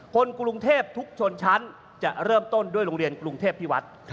คนกรุงเทพทุกชนชั้นจะเริ่มต้นด้วยโรงเรียนกรุงเทพพิวัฒน์